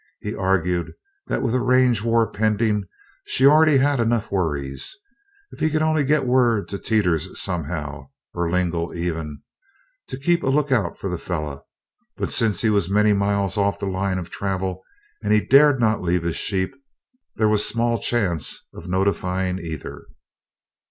He argued that with a range war pending she already had enough worries. If only he could get word to Teeters somehow or Lingle, even to keep a lookout for the fellow, but since he was many miles off the line of travel and he dared not leave his sheep, there was small chance of notifying either.